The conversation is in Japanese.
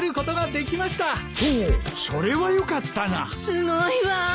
すごいわ！